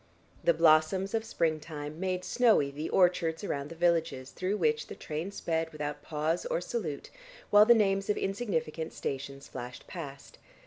The blossoms of springtime made snowy the orchards around the villages through which the train sped without pause or salute, while the names of insignificant stations flashed past.